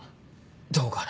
どうかな？